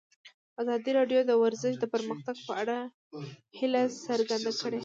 ازادي راډیو د ورزش د پرمختګ په اړه هیله څرګنده کړې.